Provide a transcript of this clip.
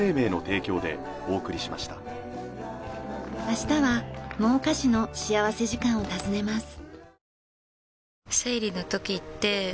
明日は真岡市の幸福時間を訪ねます。